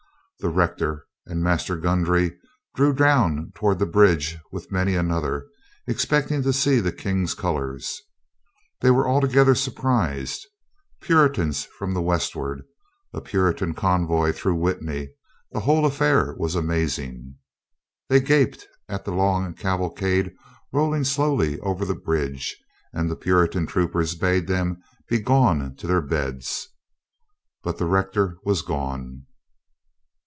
The rector and Master Goundrey drew down toward the bridge with many another, expecting to see the King's colors. They were altogether surprised. Puritans from the west ward, a Puritan convoy through Witney — the whole 250 AT BABLOCKHITHE 251 affair was amazing. They gaped at the long caval cade rolling slowly over the bridge and the Puritan troopers bade them be gone to their beds. But the rector was gone.